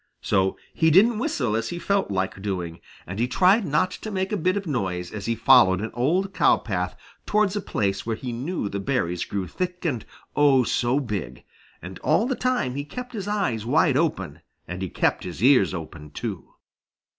So he didn't whistle as he felt like doing, and he tried not to make a bit of noise as he followed an old cow path towards a place where he knew the berries grew thick and oh, so big, and all the time he kept his eyes wide open, and he kept his ears open too.